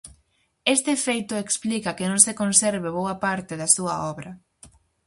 Este feito explica que non se conserve boa parte da súa obra.